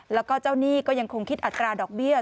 แล้วก็เจ้าหนี้ก็ยังคงคิดอัตราดอกเบี้ย